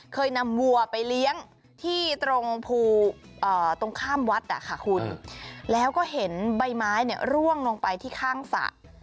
เคยนำวัวไปเลี้ยงที่ตรงภูตรงข้ามวัดคุณแล้วก็เห็นใบไม้เนี่ยร่วงลงไปที่ข้างสระ